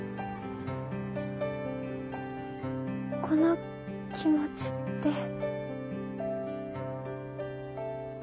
この気持ちって。